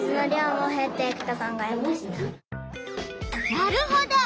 なるほど。